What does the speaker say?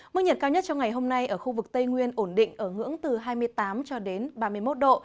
mức nhiệt cao nhất trong ngày hôm nay ở khu vực tây nguyên ổn định ở ngưỡng từ hai mươi tám cho đến ba mươi một độ